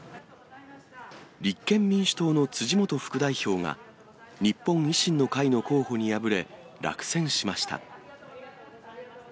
立憲民主党の辻元副代表が、日本維新の会の候補に敗れ、落選しました。